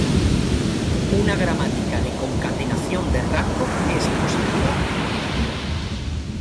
Una Gramática de Concatenación de Rango es positiva o negativa.